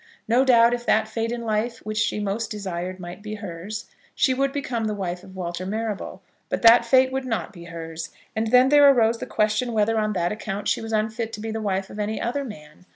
No doubt, if that fate in life which she most desired might be hers, she would become the wife of Walter Marrable. But that fate would not be hers, and then there arose the question whether, on that account, she was unfit to be the wife of any other man.